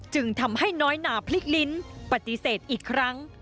จึงทำให้น้อยหนาพลิกลิ้นปฏิเสธอีกครั้ง